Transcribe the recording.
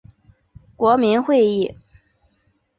国民议会。